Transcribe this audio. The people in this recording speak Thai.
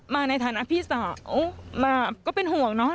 มาในฐานะพี่สาวมาก็เป็นห่วงเนอะ